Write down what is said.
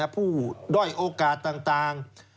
ด้อยโอกาสต่าง